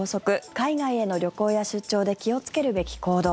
海外への旅行や出張で気をつけるべき行動。